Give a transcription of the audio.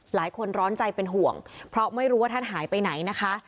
หลายคนร้อนใจเป็นห่วงเพราะไม่รู้ว่าท่านหายไปไหนนะคะ